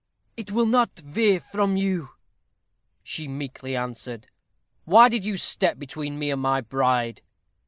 "It will not veer from you," she meekly answered. "Why did you step between me and my bride?"